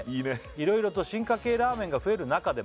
「いろいろと進化形ラーメンが増える中でも」